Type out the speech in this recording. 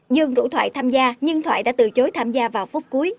dương đủ thoại tham gia nhưng thoại đã từ chối tham gia vào phút cuối